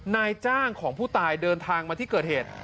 นายจ้างของผู้ตายเดินทางมาที่เกิดเหตุ